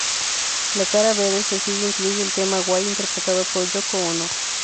La cara B del sencillo incluye el tema "Why", interpretado por Yoko Ono.